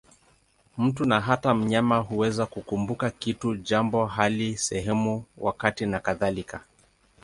Mtu, na hata mnyama, huweza kukumbuka kitu, jambo, hali, sehemu, wakati nakadhalika.